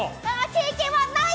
経験は、ない！